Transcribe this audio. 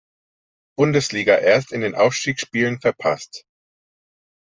Bundesliga erst in den Aufstiegsspielen verpasst.